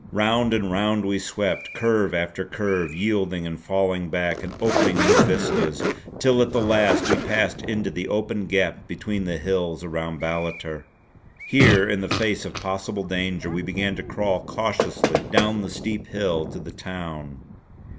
Round and round we swept, curve after curve yielding and falling back and opening new vistas; till at the last we passed into the open gap between the hills around Ballater. Here in the face of possible danger we began to crawl cautiously down the steep hill to the town.